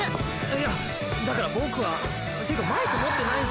いやだから僕はっていうかマイク持ってないし。